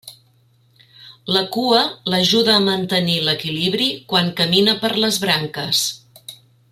La cua l'ajuda a mantenir l'equilibri quan camina per les branques.